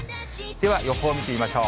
では、予報を見てみましょう。